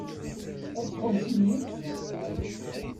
Ad tḥewwsem yid-s?